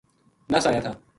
نَس آیا تھا